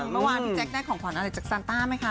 เมื่อวานพี่แจ๊คได้ของขวัญอะไรจากซานต้าไหมคะ